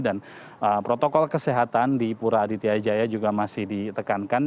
dan protokol kesehatan di pura aditya jaya juga masih ditekankan